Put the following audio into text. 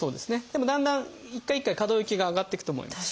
でもだんだん一回一回可動域が上がっていくと思います。